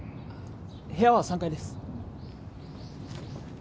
部屋は３階です。